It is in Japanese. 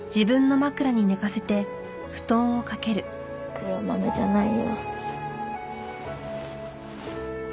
黒豆じゃないよ。